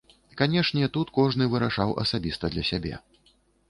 Канешне, тут кожны вырашаў асабіста для сябе.